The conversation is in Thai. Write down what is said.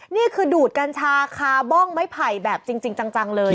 นี่คือดูดกัญชาคาบ้องไม้ไผ่แบบจริงจังเลย